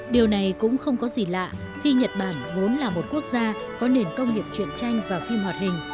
điều này cũng không có gì lạ khi nhật bản vốn là một quốc gia có nền công nghiệp chuyện tranh và phim hoạt hình